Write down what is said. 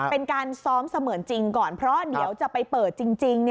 เป็นการซ้อมเสมือนจริงก่อนเพราะเดี๋ยวจะไปเปิดจริง